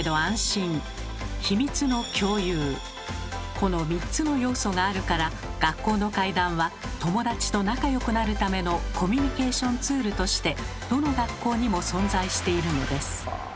この３つの要素があるから学校の怪談は友達と仲よくなるためのコミュニケーションツールとしてどの学校にも存在しているのです。